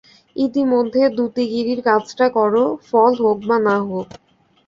ইতিমধ্যে দূতীগিরির কাজটা করো, ফল হোক বা না হোক।